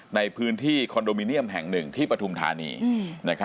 ในพื้นที่คอนโดมิเนียมแห่งหนึ่งที่ปฐุมธานี